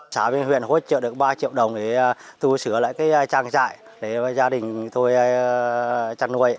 xã bình huyện hỗ trợ được ba triệu đồng để tôi sửa lại trang trại để gia đình tôi trăn nuôi